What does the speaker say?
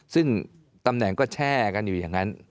ซึ่งตำแหน่งก็แช่กันอยู่อย่างนั้น